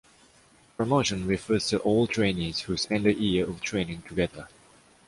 Promotion refers to all trainees who spend a year of training together.